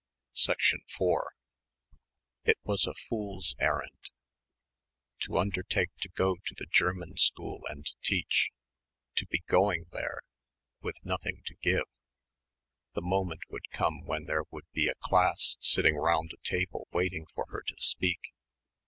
4 It was a fool's errand.... To undertake to go to the German school and teach ... to be going there ... with nothing to give. The moment would come when there would be a class sitting round a table waiting for her to speak.